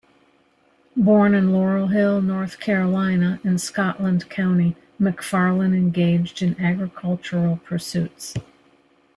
Born in Laurel Hill, North Carolina in Scotland County, McFarlan engaged in agricultural pursuits.